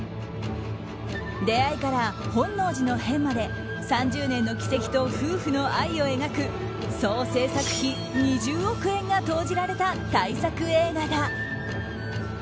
出会いから本能寺の変まで３０年の軌跡と夫婦の愛を描く総制作費２０億円が投じられた大作映画だ。